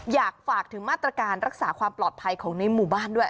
อยากฝากถึงมาตรการรักษาความปลอดภัยของในหมู่บ้านด้วย